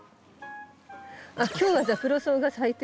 あっ今日はザクロソウが咲いてるわ。